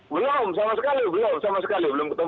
belum sama sekali belum sama sekali belum ketemu